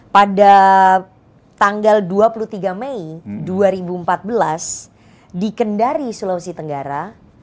pada tanggal dua puluh tiga mei dua ribu empat belas di kendari sulawesi tenggara